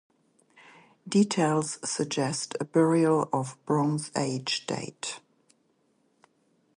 Details suggest a burial of Bronze Age date.